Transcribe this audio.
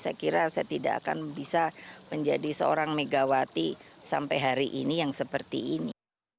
saya kira saya tidak akan bisa menjadi seorang megawati sampai hari ini yang seperti ini